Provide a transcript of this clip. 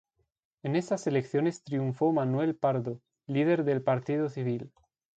En esas elecciones triunfó Manuel Pardo, líder del Partido Civil.